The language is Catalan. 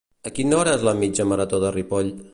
A quina hora és la "Mitja Marató de Ripoll"?